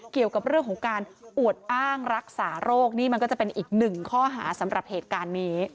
เกี่ยวกับเรื่องของการอวดอ้างรักษาโรคนี่มันก็จะเป็นอีกหนึ่งข้อหาสำหรับเหตุการณ์นี้